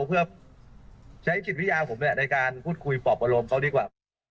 เพื่อใช้จิตวิทยาผมในการพูดคุยปอบอารมณ์เขาดีกว่า